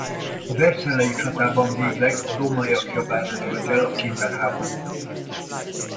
A vercellae-i csatában végleg a rómaiak javára dőlt el a kimber háború.